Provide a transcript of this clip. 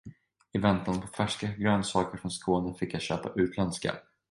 I väntan på färska grönsaker från Skåne fick jag köpa utländska.